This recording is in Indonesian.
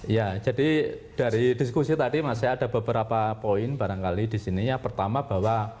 ya jadi dari diskusi tadi masih ada beberapa poin barangkali di sini ya pertama bahwa